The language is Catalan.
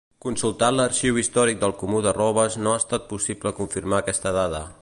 Consultat l'Arxiu Històric del Comú de Robes no ha estat possible confirmar aquesta dada.